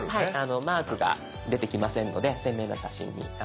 マークが出てきませんので鮮明な写真になっています。